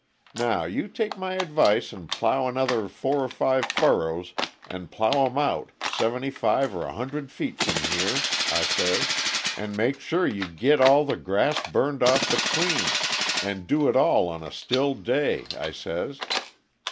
Now, you take my advice and plow another four or five furrows and plow 'em out, seventy five or a hundred feet from here,' I says, 'an' make sure you git all the grass burned off between and do it on a still day,' I says.